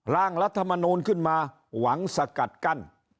ร่างรัฐมนูลขึ้นมาหวังสกัดกั้น